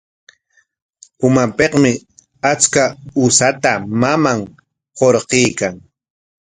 Umanpikmi achka usata maman hurquykan.